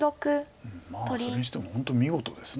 それにしても本当見事です。